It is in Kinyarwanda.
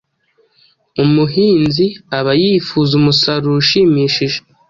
Umuhinzi aba yifuza umusaruro ushimishije,